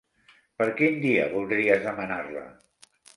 Per quin dia voldries demanar-la?